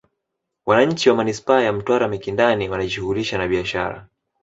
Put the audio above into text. Wananchi wa Manispaa ya Mtwara Mikindani wanajishughulisha na biashara